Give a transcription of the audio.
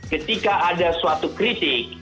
ketika ada suatu kritik